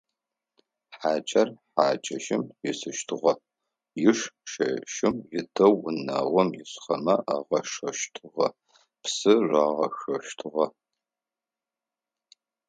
Хьакӏэр хьакӏэщым исыщтыгъэ, иш шэщым итэу унагъом исхэмэ агъашхэщтыгъэ, псы рагъашъощтыгъэ.